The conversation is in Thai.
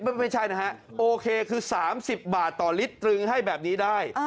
ไม่ใช่นะฮะโอเคคือ๓๐บาทต่อลิตรตรึงให้แบบนี้ได้